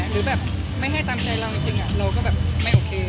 หรือแบบไม่ให้ตามใจเราจริงเราก็แบบไม่โอเค